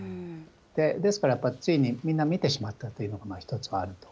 ですからやっぱりつい、みんな見てしまったというのが１つはあると。